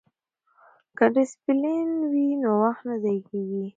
که ډسپلین وي نو وخت نه ضایع کیږي.